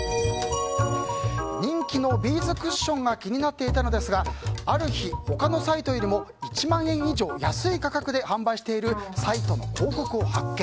人気のビーズクッションが気になっていたのですがある日、他のサイトよりも１万円以上安い価格で販売しているサイトの広告を発見。